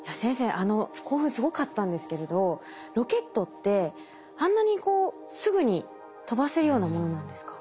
あの興奮すごかったんですけれどロケットってあんなにこうすぐに飛ばせるようなものなんですか？